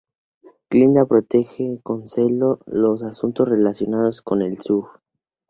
Glinda protege con celo los asuntos relacionados con el Sur.